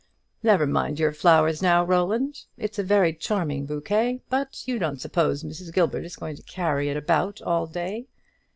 Never mind your flowers now, Roland; it's a very charming bouquet, but you don't suppose Mrs. Gilbert is going to carry it about all day?